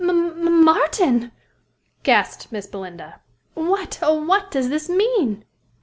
"M M Martin!" gasped Miss Belinda. "What oh, what does this mean?"